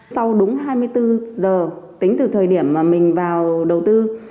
sau đúng hai mươi bốn giờ tính từ thời điểm mà mình vào đầu tư